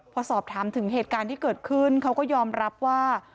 พอสอบถามถึงเหตุการณ์ที่เกิดขึ้นเขาก็ยอมรับว่า